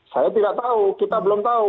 saya tidak tahu kita belum tahu